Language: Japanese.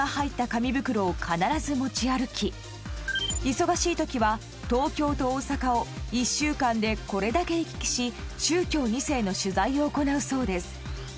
忙しい時は東京と大阪を１週間でこれだけ行き来し宗教２世の取材を行うそうです